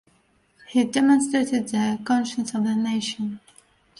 He demonstrated the conscience of the nation.